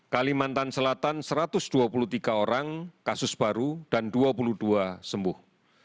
kalimantan selatan satu ratus dua puluh tiga orang kasus baru dan dua puluh dua sembuh